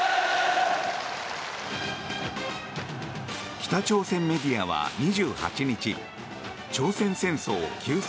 北朝鮮メディアは２８日朝鮮戦争休戦